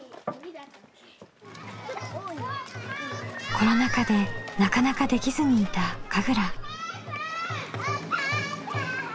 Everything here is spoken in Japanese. コロナ禍でなかなかできずにいた神楽。